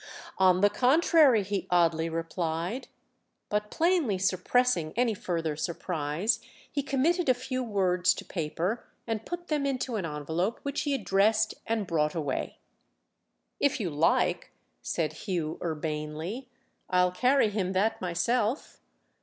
"On the contrary!" he oddly replied. But plainly suppressing any further surprise he committed a few words to paper and put them into an envelope, which he addressed and brought away. "If you like," said Hugh urbanely, "I'll carry him that myself."